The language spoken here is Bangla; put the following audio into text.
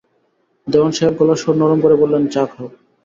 দেওয়ান সাহেব গলার স্বর নরম করে বললেন, চা খাও।